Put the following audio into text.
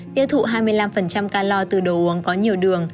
tiêu thụ hai mươi năm calor từ đồ uống có nhiều đường